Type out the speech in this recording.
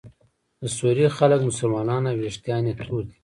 د سوریې خلک مسلمانان او ویښتان یې تور دي.